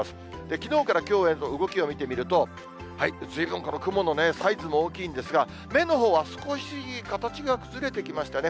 きのうからきょうへの動きを見てみると、ずいぶんこの雲のサイズも大きいんですが、目のほうは少し、形が崩れてきましたね。